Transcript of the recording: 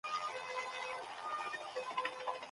تاسي يو بل ته بدبد کتل .